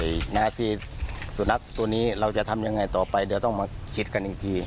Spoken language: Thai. อีกนาทีสุนัขตัวนี้เราจะทำยังไงต่อไปเดี๋ยวต้องมาคิดกันอีกที